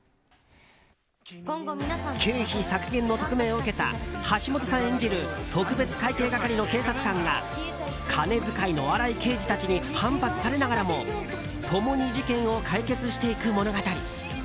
経費削減の特命を受けた橋本さん演じる特別会計係の警察官が金遣いの荒い刑事たちに反発されながらも共に事件を解決していく物語。